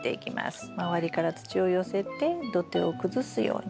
周りから土を寄せて土手を崩すように。